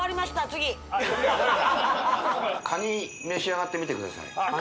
次カニ召し上がってみてください